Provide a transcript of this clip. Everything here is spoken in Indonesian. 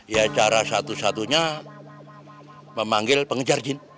ya cara satu satunya memanggil pengejar jin